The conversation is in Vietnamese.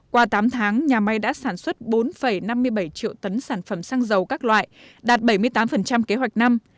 qua tám tháng nhà máy đã sản xuất bốn năm mươi bảy triệu tấn sản phẩm xăng dầu các loại đạt bảy mươi tám kế hoạch năm